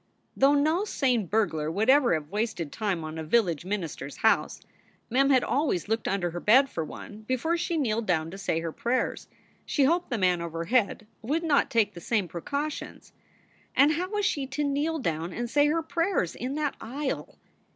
Though no sane burglar would ever have wasted time on a village minister s house, Mem had always looked under her bed for one before she kneeled down to say her prayers. She hoped the man overhead would not take the same precautions. And how was she to kneel down and say her prayers in that aisle?